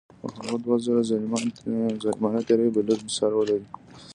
خو هغه دوه ځله ظالمانه تیری به لږ مثال ولري.